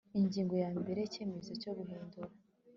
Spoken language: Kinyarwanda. Ingingo ya mbere Icyemezo cyo guhindura